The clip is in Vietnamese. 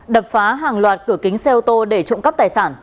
đập phá hàng loạt cửa kính xe ô tô để trộm cắp tài sản